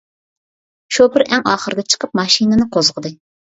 شوپۇر ئەڭ ئاخىرىدا چىقىپ ماشىنىنى قوزغىدى.